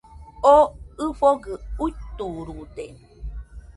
Oo ɨfogɨ uiturude